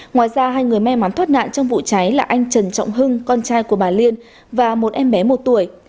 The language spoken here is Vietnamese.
ngoài ra hai người may mắn thoát nạn trong vụ cháy là anh trần trọng hưng con trai của bà liên và một em bé một tuổi